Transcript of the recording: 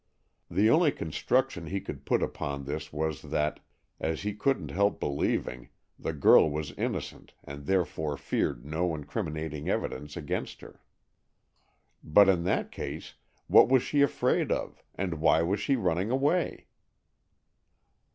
The only construction he could put upon this was that, as he couldn't help believing, the girl was innocent and therefore feared no incriminating evidence against her. But in that case what was she afraid of, and why was she running away?